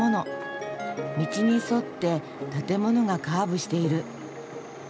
道に沿って建物がカーブしている。